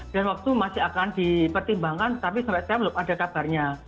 dan waktu masih akan dipertimbangkan tapi sampai saat belum ada kabarnya